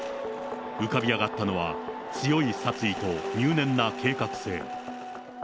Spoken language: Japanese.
浮かび上がったのは、強い殺意と入念な計画性。